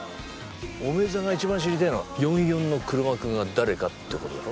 お前さんが一番知りたいのは４４の黒幕が誰かってことだろ。